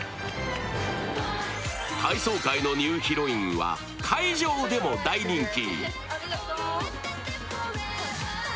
体操界のニューヒロインは会場でも大人気。